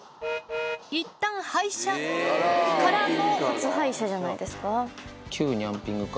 いったん廃車、からの。